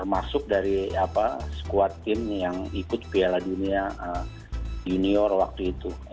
masuk dari squad tim yang ikut piala dunia junior waktu itu